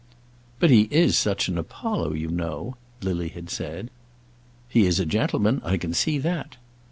"But he is such an Apollo, you know," Lily had said. "He is a gentleman; I can see that."